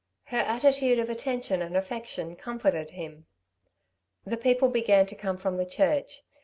Her attitude of attention and affection comforted him. The people began to come from the church.